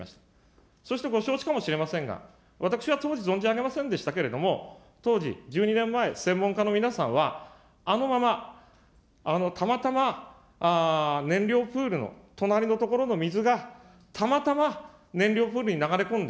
そしてご承知かもしれませんが、私は当時、存じ上げませんでしたけれども、当時１２年前、専門家の皆さんは、あのまま、たまたま燃料プールの隣の所の水が、たまたま燃料プールに流れ込んだ。